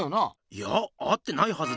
いや会ってないはずです。